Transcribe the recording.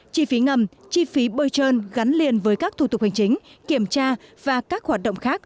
chi phí ngầm chi phí bơi trơn gắn liền với các thủ tục hành chính kiểm tra và các hoạt động khác